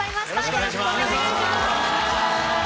よろしくお願いします。